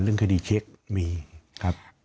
เรื่องคดีเช็คมีครับ